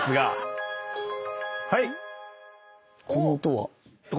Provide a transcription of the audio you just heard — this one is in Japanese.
この音は？